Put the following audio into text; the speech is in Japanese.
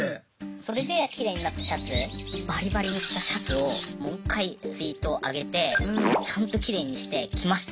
それでキレイになったシャツバリバリにしたシャツをもう一回ツイートを上げて「ちゃんとキレイにして着ました！」